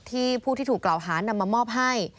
ที่ผู้ที่ถูกกล่าวหานำมามอบให้